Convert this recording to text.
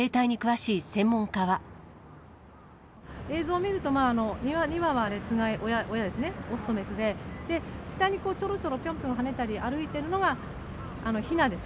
映像を見ると、２羽はつがいで親ですね、雄と雌で、下にちょろちょろ、ぴょんぴょん跳ねたり、歩いているのがひなです。